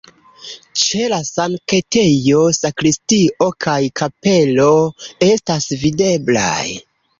Ĉe la sanktejo sakristio kaj kapelo estas videblaj.